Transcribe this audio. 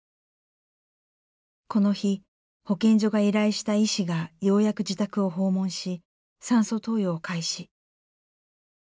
この日保健所が依頼した医師がようやく自宅を訪問し酸素投与を開始。